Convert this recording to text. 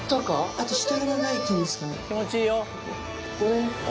あと下が長いっていうんですかね。